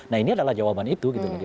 nah ini adalah jawaban itu gitu